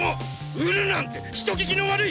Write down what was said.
売るなんて人聞きの悪い！